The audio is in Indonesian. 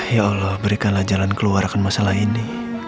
ya allah berikanlah jalan keluarkan masalah ini